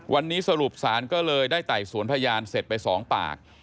วันนี้สรุปสารก็เลยได้ไต่สวนพยานเสร็จไป๒ปาก